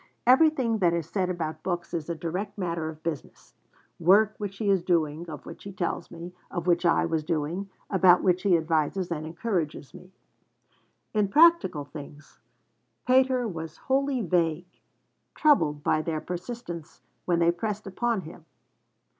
Everything that is said about books is a direct matter of business: work which he was doing, of which he tells me, or which I was doing, about which he advises and encourages me. In practical things Pater was wholly vague, troubled by their persistence when they pressed upon him.